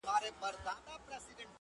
پردېسي خواره خواري ده وچوي د زړګي وینه.!